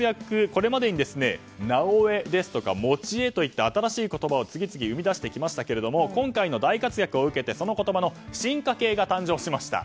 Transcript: これまでに「なおエ」ですとか「もちエ」といった新しい言葉を次々生み出してきましたけど今回の大活躍を受けてその言葉の進化系が誕生しました。